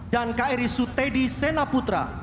dan kri sutedi senaputra